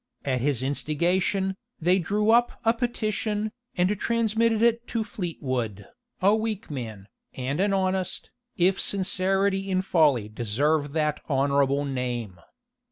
At his instigation, they drew up a petition, and transmitted it to Fleetwood, a weak man, and an honest, if sincerity in folly deserve that honorable name.